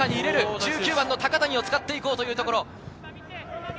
１９番・高谷を使っていこうというところ。